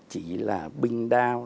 chỉ là bình đao